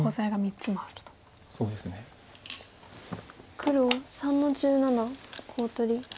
黒３の十七コウ取り。